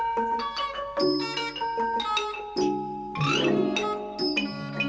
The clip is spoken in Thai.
โปรดติดตามตอนต่อไป